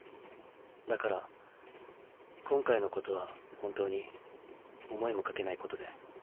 だから今回のことは本当に思いもかけないことで。